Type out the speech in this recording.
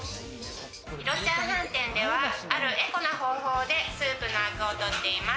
広ちゃん飯店では、あるエコな方法でスープのアクを取っています。